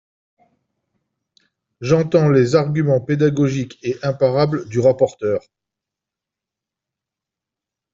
J’entends les arguments pédagogiques et imparables du rapporteur.